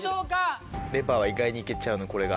レバーは意外にいけちゃうのこれが。